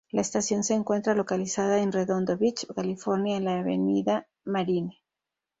La estación se encuentra localizada en Redondo Beach, California en la Avenida Marine.